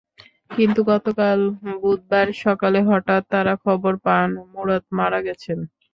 কিন্তু গতকাল বুধবার সকালে হঠাৎ তাঁরা খবর পান মুরাদ মারা গেছেন।